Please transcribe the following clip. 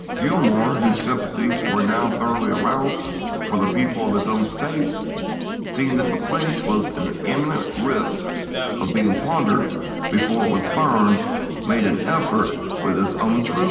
Gilmor, whose rai, p. 21s. sympathies were now thoroughly aroused for the people of his own State, seeing that the place was in imminent risk of being plundered before it was burned, made an effort with his own troopers to Vol.